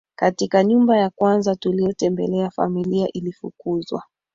Katika nyumba ya kwanza tuliyotembelea familia ilifukuzwa